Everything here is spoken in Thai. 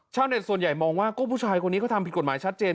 เน็ตส่วนใหญ่มองว่าก็ผู้ชายคนนี้เขาทำผิดกฎหมายชัดเจน